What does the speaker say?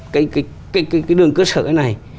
cái đường cơ sở này